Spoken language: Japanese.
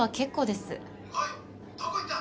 おいどこ行った？